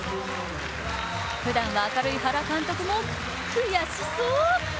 ふだんは明るい原監督も悔しそう。